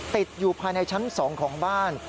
ติดอยู่ภายในชั้น๒ของบ้าน